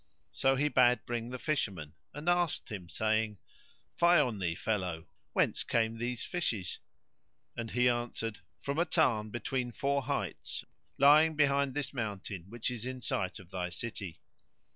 So he bade bring the Fisherman and asked him, saying "Fie on thee, fellow! whence came these fishes?" and he answered, "From a tarn between four heights lying behind this mountain which is in sight of thy city."